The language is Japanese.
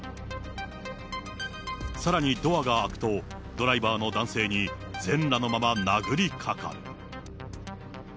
さらにドアが開くと、ドライバーの男性に全裸のまま殴りかかる。